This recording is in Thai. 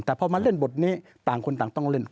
แต่พอมาเล่นบทนี้ต่างคนต่างต้องเล่น